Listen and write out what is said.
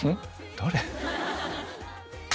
誰？